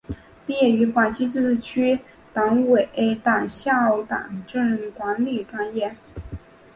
毕业于广西自治区党委党校党政管理专业。